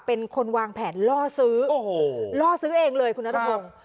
เป็นคนวางแผนล่อซื้อโอ้โหล่อซื้อเองเลยคุณนัทพงศ์